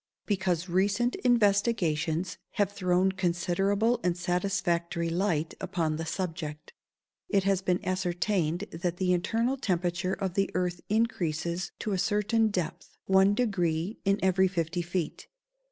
_ Because recent investigations have thrown considerable and satisfactory light upon the subject. It has been ascertained that the internal temperature of the earth increases to a certain depth, one degree in every fifty feet.